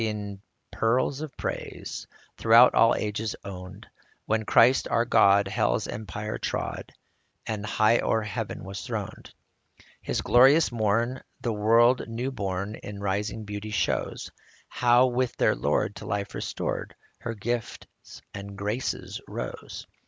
in peals of praise Throughout all ages owned, When Christ, our God, hell's empire trod, And high o'er heaven was throned. This glorious morn the world new born In rising beauty shows ; How, with her Lord to life restored, Her gifts and graces rose